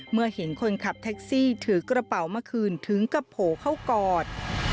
เมื่อเห็นคนขับแท็กซี่ถือกระเป๋ามาคืนถึงกับโผล่เข้ากอด